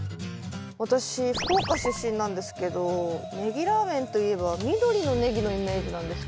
私福岡出身なんですけどネギラーメンといえば緑のネギのイメージなんですけど。